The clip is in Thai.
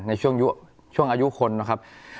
ในช่วงอายุคนนะครับ